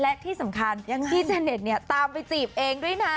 และที่สำคัญพี่เทเน็ตเนี่ยตามไปจีบเองด้วยนะ